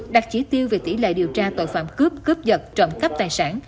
đặt chỉ tiêu về tỷ lệ điều tra tội phạm cướp cướp giật trộm cắp tài sản